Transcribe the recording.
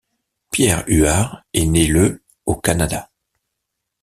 Pierre Huard est né le au Canada.